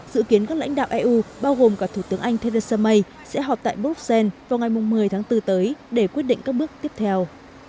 dự kiến các lãnh đạo eu bao gồm cả thủ tướng anh theresa may sẽ họp tại bruxelles vào ngày một mươi tháng bốn tới để quyết định các bước tiếp theo